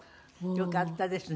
よかったですね。